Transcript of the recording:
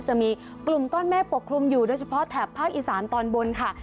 จะมีกลุ่มก้อนเมฆปกคลุมอยู่โดยเฉพาะแถบภาคอีสานตอนบนค่ะ